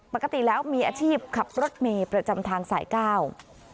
ปกติแล้วมีอาชีพขับรถเมย์ประจำทางสายเก้า